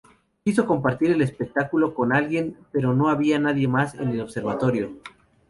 Quiso compartir el espectáculo con alguien pero no había nadie más en el observatorio.